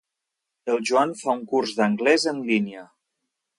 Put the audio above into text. El Joan fa un curs d'anglès en línia.